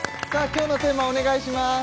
今日のテーマお願いします